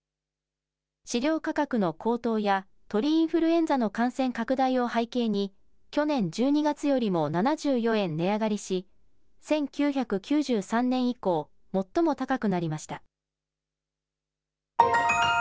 飼料価格の高騰や鳥インフルエンザの感染拡大を背景に去年１２月よりも７４円値上がりし１９９３年以降、最も高くなりました。